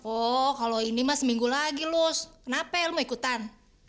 oh kalau ini mah seminggu lagi luz kenapa lu mau ikutan